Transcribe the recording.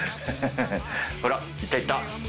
ほらいったいった。